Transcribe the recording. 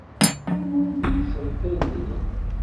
Anwa i d-yettḍillin.